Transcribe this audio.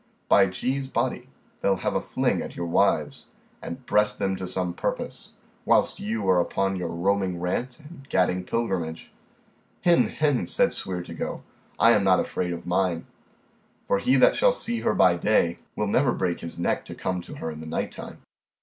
By G body, they'll have a fling at your wives, and breast them to some purpose, whilst you are upon your roaming rant and gadding pilgrimage. Hin, hen, said Sweer to go, I am not afraid of mine, for he that shall see her by day will never break his neck to come to her in the night time.